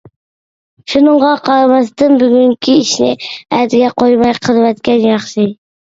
شۇنىڭغا قارىماستىن بۈگۈنكى ئىشنى ئەتىگە قويماي قىلىۋەتكەن ياخشى.